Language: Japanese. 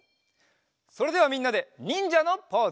それではみんなでにんじゃのポーズ！